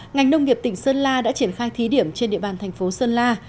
ngành nông nghiệp tỉnh sơn la đã triển khai thí điểm trên địa bàn thành phố sơn la